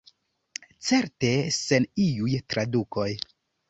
Certe sen iuj tradukoj.